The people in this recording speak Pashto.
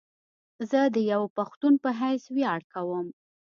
زه ديوه پښتون په حيث وياړ کوم